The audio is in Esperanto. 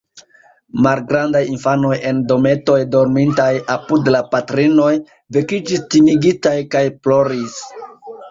Malgrandaj infanoj en dometoj, dormintaj apud la patrinoj, vekiĝis timigitaj kaj ploris.